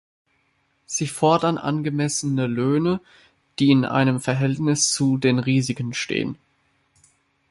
Sie fordern angemessene Löhne, die in einem Verhältnis zu den Risiken stehen.